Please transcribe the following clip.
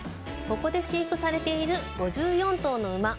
ここで飼育されている５４頭の馬。